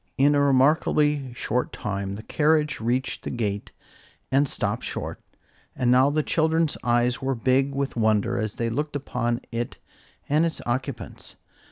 In a remarkably short time the carriage reached the gate and stopped short, and now the children's eyes were big with wonder as they looked upon it and its occupants.